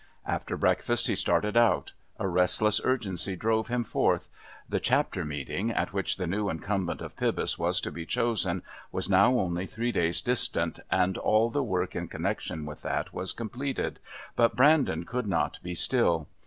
After breakfast he started out. A restless urgency drove him forth. The Chapter Meeting at which the new incumbent of Pybus was to be chosen was now only three days distant, and all the work in connection with that was completed but Brandon could not be still.